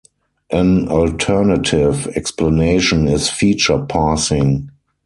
An alternative explanation is feature passing.